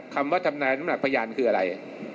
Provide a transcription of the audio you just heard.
คำว่าทำนายน้ำหนักพยานคืออะไร